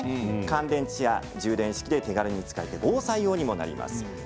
乾電池や充電式で手軽に使えて防災用にもなります。